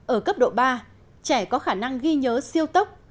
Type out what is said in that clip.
ở cấp độ ba trẻ có khả năng ghi nhớ siêu tốc